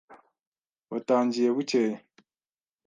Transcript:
Batangiye bukeye.